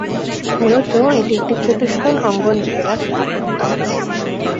মূলত এটি একটি চতুষ্কোণ অঙ্গন ঘেরা স্থাপত্য।